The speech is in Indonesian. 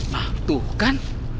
nah tuh kan